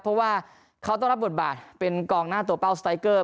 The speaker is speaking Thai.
เพราะว่าเขาต้องรับบทบาทเป็นกองหน้าตัวเป้าสไตเกอร์